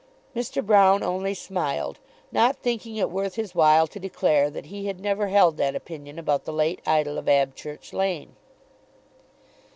Mr. Broune only smiled, not thinking it worth his while to declare that he had never held that opinion about the late idol of Abchurch Lane.